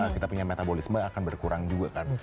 kita punya metabolisme akan berkurang juga kan